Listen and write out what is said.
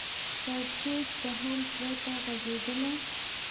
کړکېچ د حل پرته غځېدلی